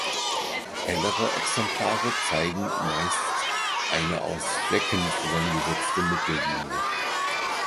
Hellere Exemplare zeigen meist eine aus Flecken zusammengesetzte Mittellinie.